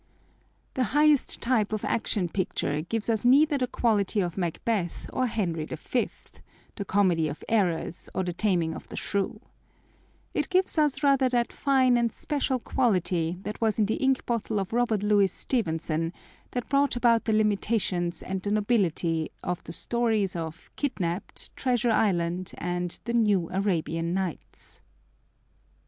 The highest type of Action Picture gives us neither the quality of Macbeth or Henry Fifth, the Comedy of Errors, or the Taming of the Shrew. It gives us rather that fine and special quality that was in the ink bottle of Robert Louis Stevenson, that brought about the limitations and the nobility of the stories of Kidnapped, Treasure Island, and the New Arabian Nights.